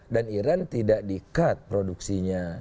dan iran tidak di cut produksinya